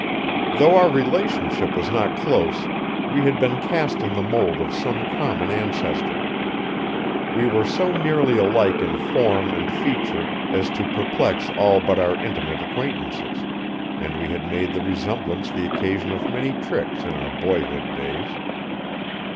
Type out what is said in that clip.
Though our relationship was not close we had been cast in the mold of some common ancestor. We were so nearly alike in form and feature as to perplex all but our intimate acquaintances, and we had made the resemblance the occasion of many tricks in our boyhood days.